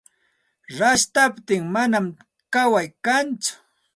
Rashtaptin manam kaway kantsu.